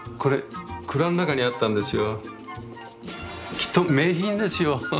きっと名品ですよ。